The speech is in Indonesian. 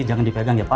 jangan dipegang ya pak